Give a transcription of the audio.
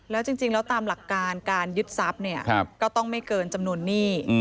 แล้วจริงแล้วตามหลักการการยึดทรัพย์เนี่ยก็ต้องไม่เกินจำนวนหนี้